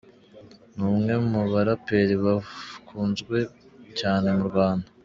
Ni umwe mu baraperi bakunzwe cyane mu Rwanda.